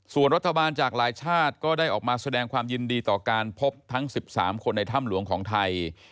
ส่วนรัฐบาลจากหลายชาติก็ได้ออกมาแสดงความยินดีต่อการพบทั้ง๑๓คนในถ้ำหลวงของไทย